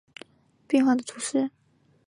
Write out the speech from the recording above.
库勒米耶勒塞克人口变化图示